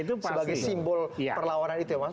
dan dibicarakan sebagai simbol perlawanan itu ya mas